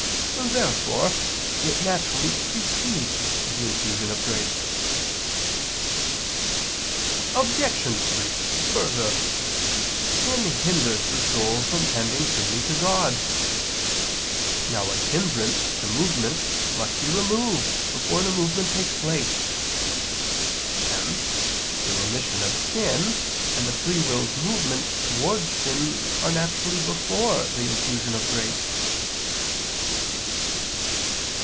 Therefore it naturally precedes the infusion of grace. Obj. 3: Further, sin hinders the soul from tending freely to God. Now a hindrance to movement must be removed before the movement takes place. Hence the remission of sin and the free will's movement towards sin are naturally before the infusion of grace.